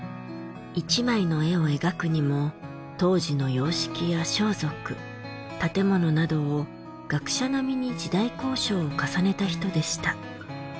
１枚の絵を描くにも当時の様式や装束建物などを学者並に時代考証を重ねた人でした。